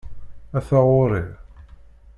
Ata ɣur-i!